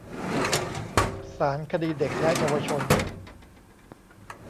ศาลคดีเด็กและเยาวชน